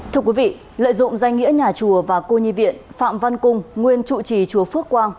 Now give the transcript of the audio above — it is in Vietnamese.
thưa quý vị lợi dụng danh nghĩa nhà chùa và cô nhi viện phạm văn cung nguyên chủ trì chùa phước quang